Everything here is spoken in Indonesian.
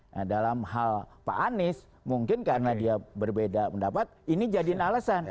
nah dalam hal pak anies mungkin karena dia berbeda pendapat ini jadiin alasan